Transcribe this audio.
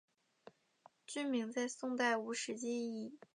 郡名在宋代无实际意义。